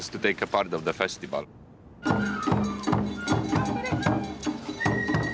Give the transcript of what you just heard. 頑張れ。